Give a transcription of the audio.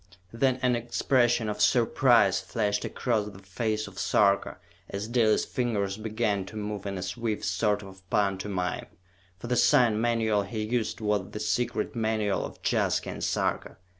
Then an expression of surprise flashed across the face of Sarka as Dalis' fingers began to move in a swift sort of pantomime for the sign manual he used was the secret manual of Jaska and Sarka!